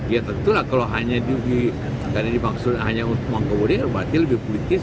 ya tentulah kalau hanya dimaksudkan hanya mengakomodir berarti lebih politis